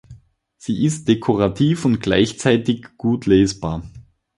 Sie ist dekorativ und gleichzeitig gut lesbar.